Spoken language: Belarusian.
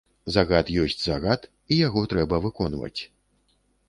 Загад ёсць загад і яго трэба выконваць.